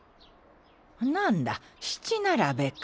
何だ七並べか。